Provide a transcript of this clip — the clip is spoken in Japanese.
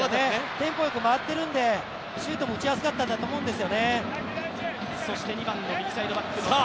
テンポよく回ってるんでシュートも打ちやすかったんだと思います。